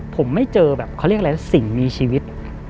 ผมไม่เจอแบบเขาเรียกอะไรสิ่งมีชีวิต